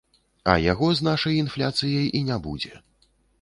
А яго, з нашай інфляцыяй, і не будзе.